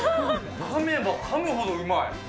かめばかむほどうまい。